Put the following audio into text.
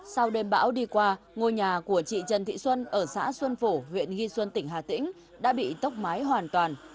sau đêm bão đi qua ngôi nhà của chị trần thị xuân ở xã xuân phổ huyện nghi xuân tỉnh hà tĩnh đã bị tốc mái hoàn toàn